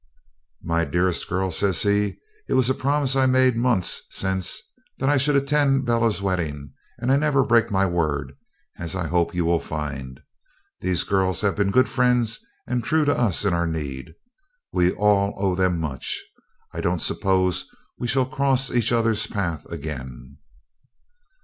'My dearest girl,' said he, 'it was a promise I made months since that I should attend Bella's wedding, and I never break my word, as I hope you will find. These girls have been good friends and true to us in our need. We all owe them much. I don't suppose we shall cross each other's path again.'